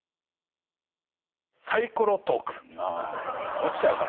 落ちちゃうからね。